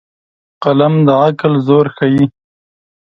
قلم د عقل زور ښيي